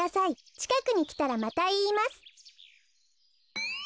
ちかくにきたらまたいいます。